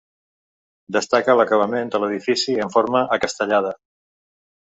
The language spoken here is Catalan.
Destaca l'acabament de l'edifici en forma acastellada.